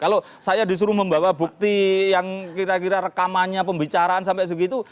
kalau saya disuruh membawa bukti yang kira kira rekamannya pembicaraan sampai segitu